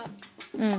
うん。